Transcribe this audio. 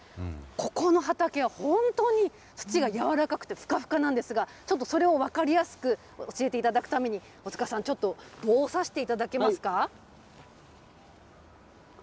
ここの畑は本当に土が柔らかくてふかふかなんですが、ちょっとそれを分かりやすく教えていただくために、大塚さん、ちょっと、棒を刺していただけますか。